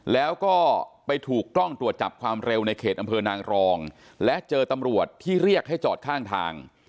แล้วก็ไปถูกกล้องตรวจจับความเร็วในเขตอำเภอนางรองและเจอตำรวจที่เรียกให้จอดข้างทาง